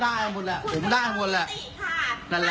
ได้ก็ได้มันแหละผมได้กว่าแหละ